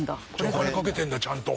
お金かけてるんだちゃんと。